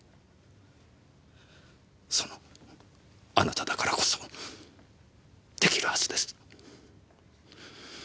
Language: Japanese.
そのあなただからこそできるはずです。